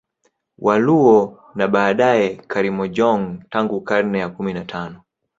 Waluo na baadae Karimojong tangu karne ya kumi na tano